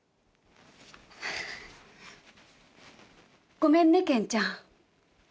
ごめんねケンちゃん。